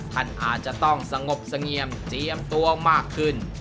ท่านอาจจะต้องสงบเสงี่ยมเจียมตัวมากขึ้น